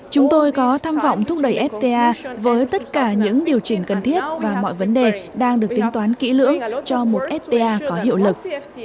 chúng tôi có tham vọng thúc đẩy fta với tất cả những điều chỉnh cần thiết và mọi vấn đề đang được tính toán kỹ lưỡng cho một fta có hiệu lực